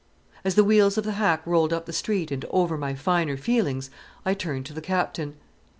As the wheels of the hack rolled up the street and over my finer feelings, I turned to the Captain.